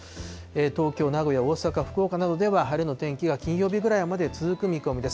東京、名古屋、大阪、福岡などでは、晴れの天気が金曜日ぐらいまで続く見込みです。